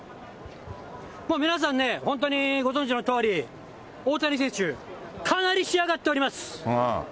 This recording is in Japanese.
皆さんね、本当にご存じのとおり、大谷選手、かなり仕上がっております。